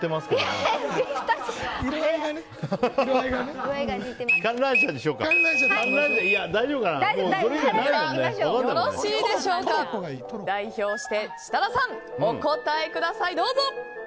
よろしいでしょうか代表して設楽さんお答えください。